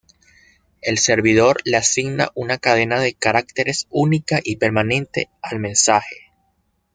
El servidor le asigna una cadena de caracteres única y permanente al mensaje.